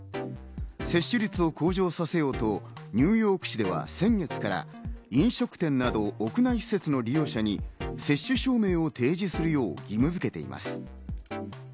接種率を向上させようとニューヨーク市では先月から飲食店など屋内施設の利用者に接種証明を提示するよう義務づけています。